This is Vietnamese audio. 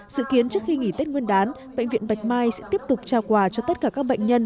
dự kiến trước khi nghỉ tết nguyên đán bệnh viện bạch mai sẽ tiếp tục trao quà cho tất cả các bệnh nhân